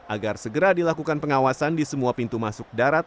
agar segera dilakukan pengawasan di semua pintu masuk darat